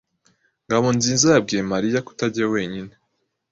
Ngabonziza yabwiye Mariya kutajyayo wenyine.